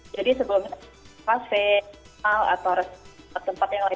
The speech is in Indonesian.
jadi sebelumnya kafe mal atau tempat yang lain